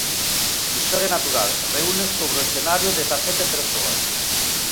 "Historia natural" reúne sobre o escenario dezasete persoas.